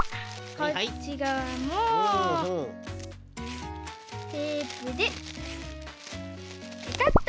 こっちがわもテープでペタッと！